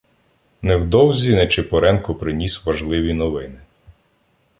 Невдовзі Нечипоренко приніс важливі новини.